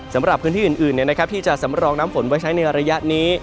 สำหรับพื้นที่อื่นที่จะสำรองน้ำฝนไว้ใช้ในระยะนี้